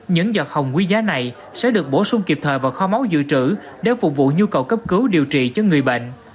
những giọt hồng quý giá này sẽ được bổ sung kịp thời vào kho máu dự trữ để phục vụ nhu cầu cấp cứu điều trị cho người bệnh